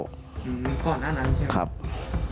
มันก่อนนั้นใช่ไหมครับครับ